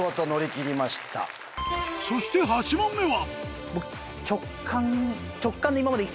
そして８問目は僕直感。